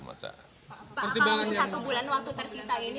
pak kalau untuk satu bulan waktu tersisa ini